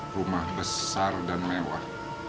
rumah besar dan mewah